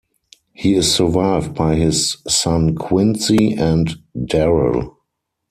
He is survived by his son Quincy and Darrell.